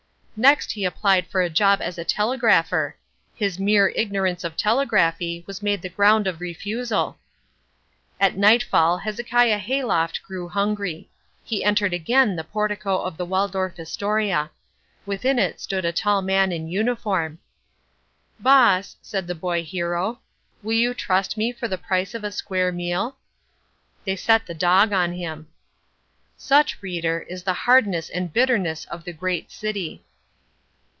Next he applied for a job as a telegrapher. His mere ignorance of telegraphy was made the ground of refusal. At nightfall Hezekiah Hayloft grew hungry. He entered again the portico of the Waldorf Astoria. Within it stood a tall man in uniform. "Boss," said the boy hero, "will you trust me for the price of a square meal?" They set the dog on him. Such, reader, is the hardness and bitterness of the Great City.